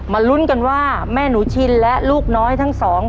ลุ้นกันว่าแม่หนูชินและลูกน้อยทั้งสอง